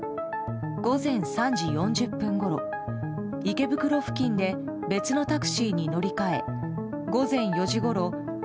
午前３時４０分ごろ池袋付近で別のタクシーに乗り換え午前４時ごろ